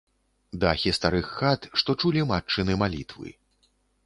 Дахі старых хат, што чулі матчыны малітвы.